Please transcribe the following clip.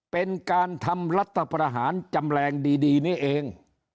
เป็นการทำรัฐประหารจำแรงดีนี่เอง